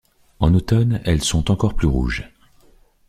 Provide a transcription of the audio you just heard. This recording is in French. En automne, elles sont encore plus rouges.